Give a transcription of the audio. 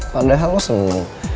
padahal lo seneng